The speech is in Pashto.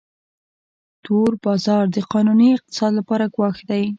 تور بازار د قانوني اقتصاد لپاره ګواښ دی